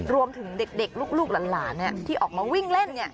รวมถึงเด็กลูกหลานที่ออกมาวิ่งเล่น